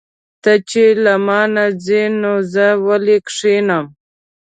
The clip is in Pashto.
ته چې له مانه ځې نو زه ولې کښېنم.